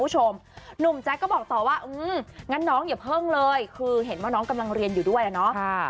หนุ่มแจ๊คก็บอกต่อว่างั้นน้องอย่าเพิ่งเลยคือเห็นว่าน้องกำลังเรียนอยู่ด้วยอ่ะเนาะ